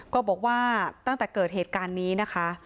ก็บอกว่าตั้งแต่เกิดเหตุการณ์นี้นะคะ